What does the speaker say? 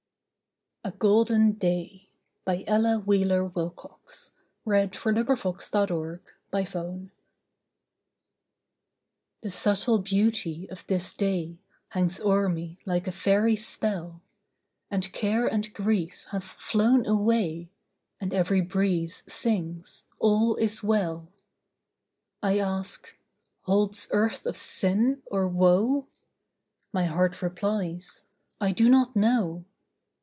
A Golden Day An Ella Wheeler Wilcox Poem A GOLDEN DAY The subtle beauty of this day Hangs o'er me like a fairy spell, And care and grief have flown away, And every breeze sings, "All is well." I ask, "Holds earth of sin, or woe?" My heart replies, "I do not know."